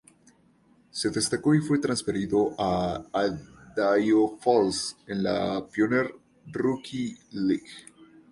Se destacó y fue transferido a Idaho Falls en la Pioneer Rookie League.